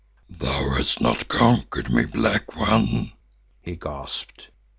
"Thou hast not conquered me, Black One," he gasped.